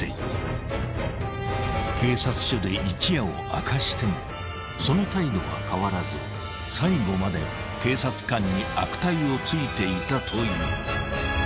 ［警察署で一夜を明かしてもその態度は変わらず最後まで警察官に悪態をついていたという］